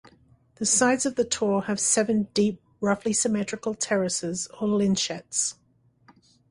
The sides of the Tor have seven deep, roughly symmetrical terraces, or lynchets.